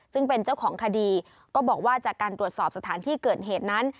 ซึ่งเป็นเจ้าของคดีก็บอกว่าจากการตรวจสอบสถานที่เกิดเหตุนั้น